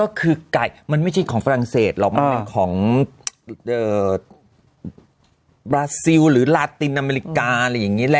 ักคาร์มสิรียุดลูกใหญ่